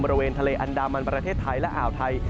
บริเวณทะเลอันดามันประเทศไทยและอ่าวไทย